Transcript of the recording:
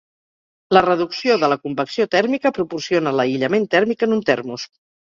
La reducció de la convecció tèrmica proporciona l'aïllament tèrmic en un termos.